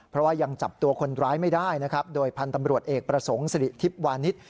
เพราะว่ายังจับตัวคนร้ายไม่ได้นะครับโดยพันธ์ตำรวจเอกประสงค์สิริทิพย์วานิส